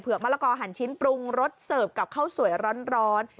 มะละกอหันชิ้นปรุงรสเสิร์ฟกับข้าวสวยร้อน